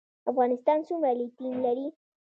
افغانستان څومره لیتیم لري؟